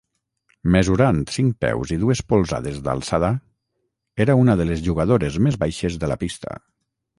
Mesurant cinc peus i dues polzades d'alçada, era una de les jugadores més baixes de la pista.